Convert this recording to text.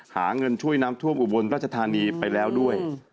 หาเงินช่วยน้ำท่วมอุบลราชธานีไปแล้วด้วย